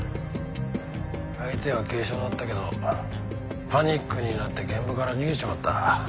相手は軽傷だったけどパニックになって現場から逃げちまった。